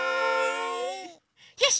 よし！